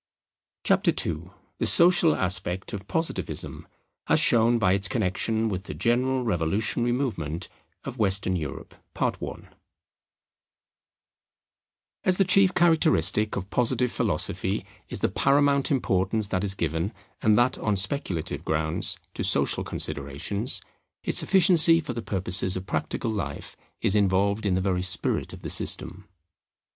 CHAPTER II THE SOCIAL ASPECT OF POSITIVISM, AS SHOWN BY ITS CONNEXION WITH THE GENERAL REVOLUTIONARY MOVEMENT OF WESTERN EUROPE As the chief characteristic of Positive Philosophy is the paramount importance that is given, and that on speculative grounds, to social considerations, its efficiency for the purposes of practical life is involved in the very spirit of the system.